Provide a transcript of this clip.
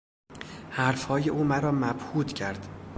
حرف های او مرا مبهوت کرد.